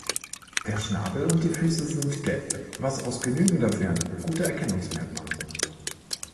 Der Schnabel und die Füße sind gelb, was aus genügender Ferne gute Erkennungsmerkmale sind.